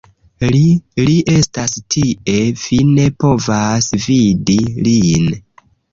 Li, li estas tie, vi ne povas vidi lin.